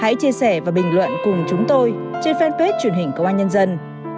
hãy chia sẻ và bình luận cùng chúng tôi trên fanpage truyền hình công an nhân dân